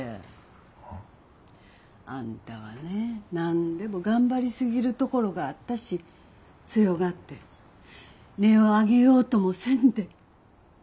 は？あんたはね何でも頑張りすぎるところがあったし強がって音を上げようともせんで。